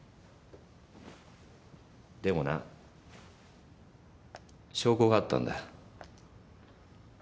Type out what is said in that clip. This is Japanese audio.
でもな証拠があったんだ。